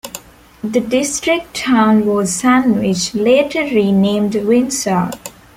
The district town was "Sandwich", later renamed Windsor.